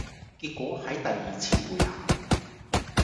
結果喺第二次會考